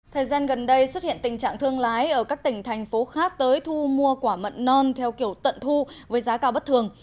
thời gian gần đây xuất hiện tình trạng thương lái ở các tỉnh thành phố khác tới thu mua quả mận non theo kiểu tận thu với giá cao bất thường